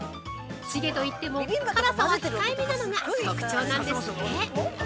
チゲといっても辛さは控えめなのが特徴なんですって。